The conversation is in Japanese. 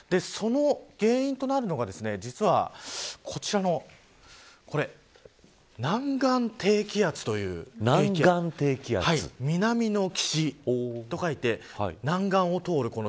その原因となるのが、実はこちらの、これ南岸低気圧という南の岸と書いて南岸を通る